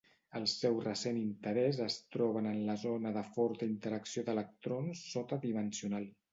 El seu recent interès es troben en la zona de forta interacció d'electrons sota dimensional.